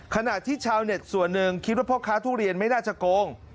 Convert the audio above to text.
ขณะที่ชาวเน็ตส่วนหนึ่งคิดว่าพ่อค้าทุเรียนไม่น่าจะโกง